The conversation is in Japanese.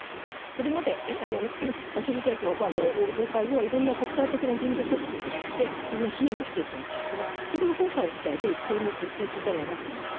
これまでバシール政権崩壊後はいろいろな国際的な人道組織が入っていろんな支援をしていたわけですがそれが今回の事態で一斉に撤退せざるをえなくなった。